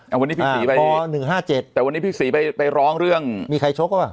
เอาวันนี้พี่ศรีไปอ่าป๑๕๗แต่วันนี้พี่ศรีไปไปร้องเรื่องมีใครชกว่า